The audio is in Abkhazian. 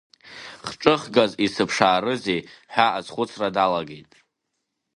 Хҿыхгас исыԥшаарызеи ҳәа азхәыцра далагеит.